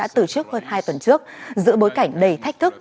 từ trước hơn hai tuần trước giữa bối cảnh đầy thách thức